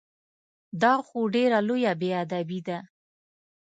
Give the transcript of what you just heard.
دا خو ډېره لویه بې ادبي ده!